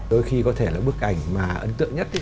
đôi khi có thể là bức ảnh mà ấn tượng nhất